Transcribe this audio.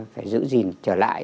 phải giữ gìn trở lại